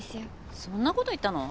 そんなこと言ったの？